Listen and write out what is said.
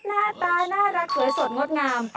หน้าตาน่ารักสวยสดงดงาม